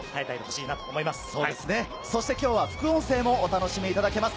きょうは副音声もお楽しみいただけます。